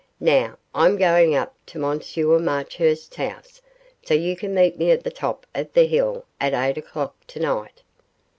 Now, I'm going up to M. Marchurst's house, so you can meet me at the top of the hill, at eight o'clock tonight.